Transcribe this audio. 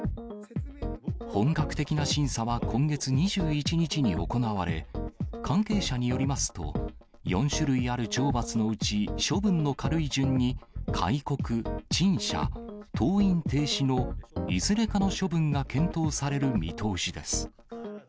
本格的な審査は今月２１日に行われ、関係者によりますと、４種類ある懲罰のうち、処分の軽い順に、戒告、陳謝、登院停止のいずれかの処分が検討される見通しです。